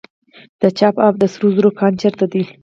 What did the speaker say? د چاه اب د سرو زرو کان چیرته دی؟